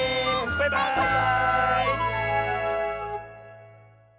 バイバーイ！